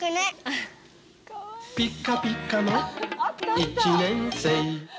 ピッカピカの一年生。